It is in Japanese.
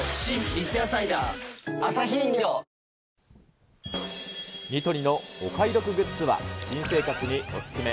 三ツ矢サイダー』ニトリのお買い得グッズは、新生活にお勧め！